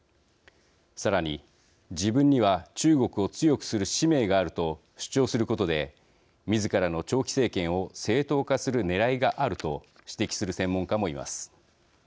さらに、自分には中国を強くする使命があると主張することでみずからの長期政権を正当化するねらいがあると指摘する専門家もいます。